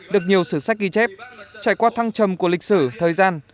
được nhiều sử sách ghi chép trải qua thăng trầm của lịch sử thời gian